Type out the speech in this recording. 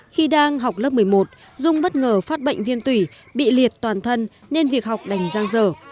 khi đang học lớp một mươi một dung bất ngờ phát bệnh viêm tủy bị liệt toàn thân nên việc học đành giang dở